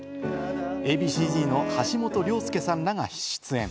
Ａ．Ｂ．Ｃ−Ｚの橋本良亮さんらが出演。